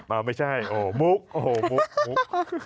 ไม่ใช่โอ้มุกโอ้โหมุกมุก